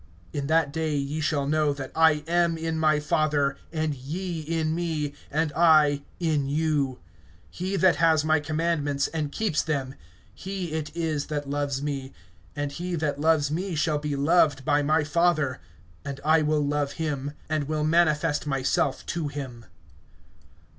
(20)In that day ye shall know that I am in my Father, and ye in me, and I in you. (21)He that has my commandments, and keeps them, he it is that loves me; and he that loves me shall be loved by my Father, and I will love him, and will manifest myself to him.